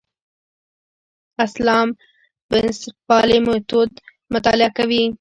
اسلام بنسټپالنې میتود مطالعه کوي.